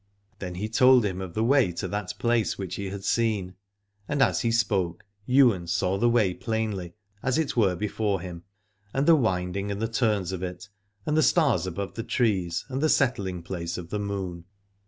Then he told him of the way to that place which he had seen : and as he spoke Ywain saw the way plainly, as it were before him, and the winding and the turns of it, and the stars above the trees, and the setting place of the moon.